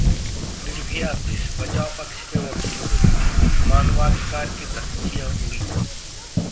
Nirbhaya case: बचाव पक्ष के वकील बोले- मानवाधिकार की धज्जियां उड़ीं